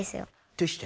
どうして？